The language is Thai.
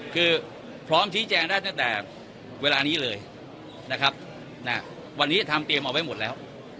คือพร้อมชี้แจงได้ตั้งแต่เวลานี้เลยนะครับวันนี้ทำเตรียมเอาไว้หมดแล้ว